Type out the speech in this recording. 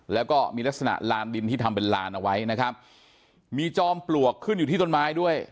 แล้วก็มีลักษณะลานดินที่ทำเป็นลานเอาไว้นะครับมีจอมปลวกขึ้นอยู่ที่ต้นไม้ด้วย